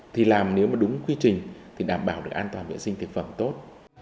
thì làm nếu mà đúng quy trình thì đảm bảo được an toàn vệ sinh thực phẩm tốt